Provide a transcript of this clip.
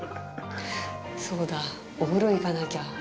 そうだ、お風呂行かなきゃ。